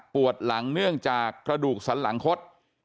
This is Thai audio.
ปวดหลังเนื่องจากกระดูกสันหลังคด